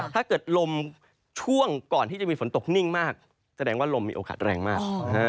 ถ้าเกิดลมช่วงก่อนที่จะมีฝนตกนิ่งมากแสดงว่าลมมีโอกาสแรงมาก